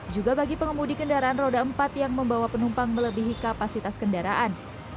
juga bagi pengemudi kendaraan roda empat yang membawa penumpang melebihi kapasitas kendaraan